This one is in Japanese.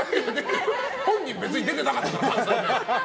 本人、別に出てなかっただろ。